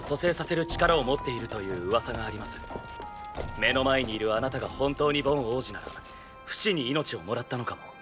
目の前にいるあなたが本当にボン王子ならフシに命をもらったのかも。